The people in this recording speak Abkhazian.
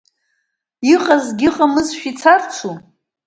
Иҟазгьы ыҟамызшәа ицарцу?